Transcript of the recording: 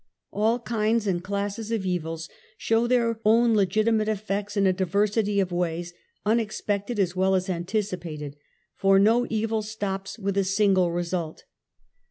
All kinds and classes of evils show their own legitimate effects in a diversity of ways, unex pected as well as anticipated, for no evil stops with a sinde result.